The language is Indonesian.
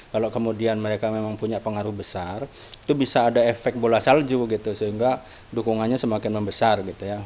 kalau kemudian mereka memang punya pengaruh besar itu bisa ada efek bola salju gitu sehingga dukungannya semakin membesar gitu ya